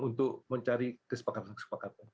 untuk mencari kesepakatan kesepakatan